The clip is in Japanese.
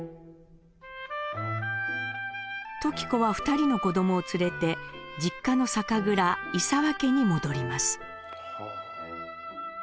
時子は２人の子供を連れて実家の酒蔵伊澤家に戻ります。